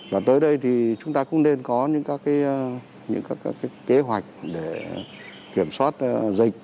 và tới đây thì chúng ta cũng nên có những kế hoạch để kiểm soát dịch